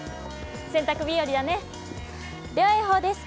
洗濯日和だね。